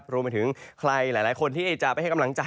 รวมไปถึงใครหลายคนที่จะไปให้กำลังใจ